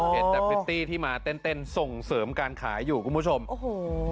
เห็นแต่พริตตี้ที่มาเต้นเต้นส่งเสริมการขายอยู่คุณผู้ชมโอ้โห